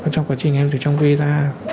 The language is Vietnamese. trong quá trình em từ trong quê ra